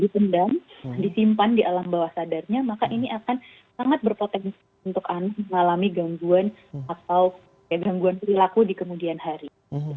dipendam disimpan di alam bawah sadarnya maka ini akan sangat berpotensi untuk mengalami gangguan atau gangguan perilaku di kemudian hari